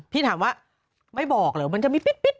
พี่ถามว่าไม่บอกเหรอมันจะมีปิ๊ด